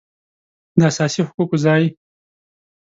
داساسي حقوقو ځای